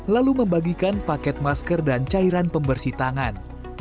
lalu membagikan paket masker dan cairan pembersih tangan